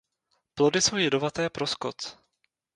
Plody jsou jedovaté pro skot.